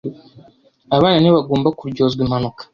Abana ntibagomba kuryozwa impanuka.